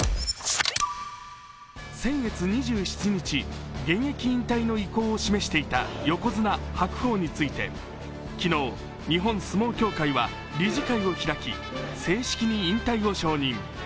先月２７日、現役引退の意向を示していた横綱・白鵬について昨日、日本相撲協会は理事会を開き、正式に引退を承認。